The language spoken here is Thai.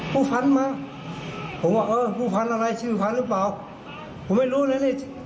ผู้พันมาผมว่าผู้พันอะไรชีวิตภัณฑ์หรือเปล่าผมไม่รู้เลย